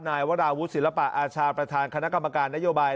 นายวราวุฒิศิลปะอาชาประธานคณะกรรมการนโยบาย